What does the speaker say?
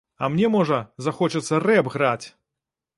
А мне, можа, захочацца рэп граць!